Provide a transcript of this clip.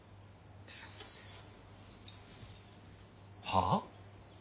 はあ？